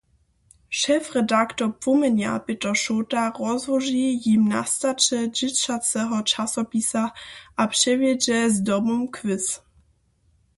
Šefredaktor Płomjenja Pětr Šołta rozłoži jim nastaće dźěćaceho časopisa a přewjedźe zdobom kwis.